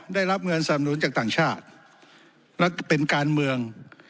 ได้รับเงินสนับหนุนจากต่างชาติแล้วก็เป็นการเมือง